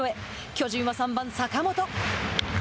巨人は３番坂本。